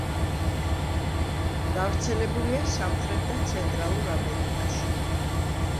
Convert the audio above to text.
გავრცელებულია სამხრეთ და ცენტრალურ ამერიკაში.